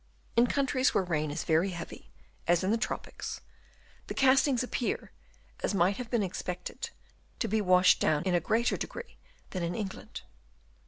In countries where the rain is very heavy, 274 DENUDATION OF THE LAND Chap. VI. as in the tropics, the castings appear, as might have been expected, to be washed down in a greater degree than in England.